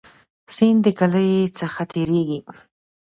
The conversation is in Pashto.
سیند د کلی څخه تیریږي